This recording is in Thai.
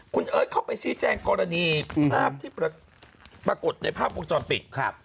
คุณเอิร์ทเข้าไปชี้แจงกรณีภาพที่ปรากฏในภาพวงจรปิด